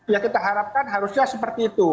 ya kita harapkan harusnya seperti itu